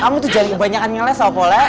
kamu tuh jadi kebanyakan ngeles apa boleh